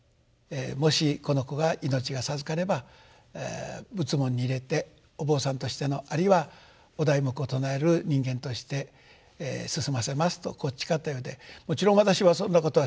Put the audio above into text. もしこの子が命が授かれば仏門に入れてお坊さんとしてのあるいはお題目を唱える人間として進ませますと誓ったようでもちろん私はそんなことは知りません。